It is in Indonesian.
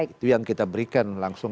itu yang kita berikan langsung